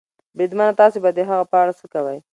بریدمنه، تاسې به د هغه په اړه څه کوئ؟